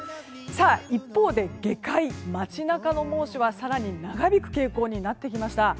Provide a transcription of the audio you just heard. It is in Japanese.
一方で下界、街中の猛暑は更に長引く傾向になってきました。